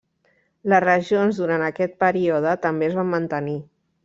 Les regions durant aquest període també es van mantenir.